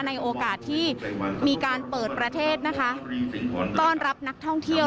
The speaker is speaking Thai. ในโอกาสที่มีการเปิดประเทศนะคะต้อนรับนักท่องเที่ยว